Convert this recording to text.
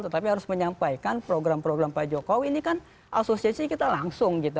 tetapi harus menyampaikan program program pak jokowi ini kan asosiasi kita langsung gitu